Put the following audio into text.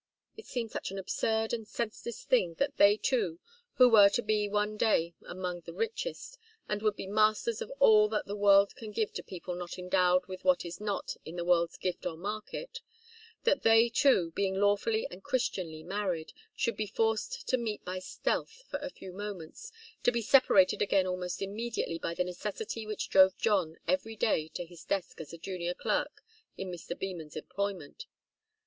It seemed such an absurd and senseless thing that they two, who were to be one day among the richest, and would be masters of all that the world can give to people not endowed with what is not in the world's gift or market that they two, being lawfully and christianly married, should be forced to meet by stealth for a few moments, to be separated again almost immediately by the necessity which drove John every day to his desk as a junior clerk in Mr. Beman's employment.